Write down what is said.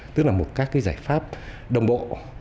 tức là một các cái giải pháp đồng bộ